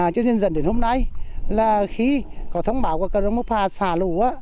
cho nên dần đến hôm nay là khi có thông báo của cà rông mộc hà xả lũ